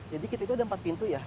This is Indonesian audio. jadi kita itu ada empat pintu ya